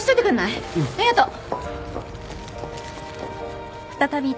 ありがとう。